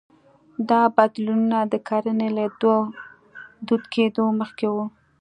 دا بدلونونه د کرنې له دود کېدو مخکې وو